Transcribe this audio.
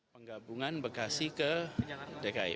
penggabungan bekasi ke dki